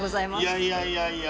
いやいやいやいや。